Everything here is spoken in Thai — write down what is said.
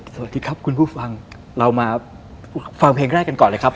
สวัสดีครับคุณผู้ฟังเรามาฟังเพลงแรกกันก่อนเลยครับ